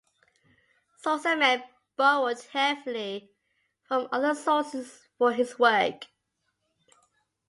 Sozomen borrowed heavily from other sources for his work.